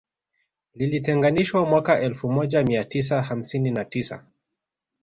Lilitenganishwa mwaka elfu moja mia tisa hamsini na tisa